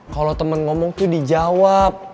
kalau temen ngomong tuh dijawab